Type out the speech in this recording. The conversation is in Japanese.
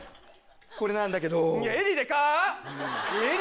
これなんだけど。